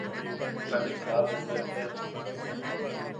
Ta ne kaa juʼunean.